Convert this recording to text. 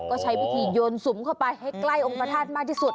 ก็ใช้วิธีโยนสุมเข้าไปให้ใกล้องค์พระธาตุมากที่สุด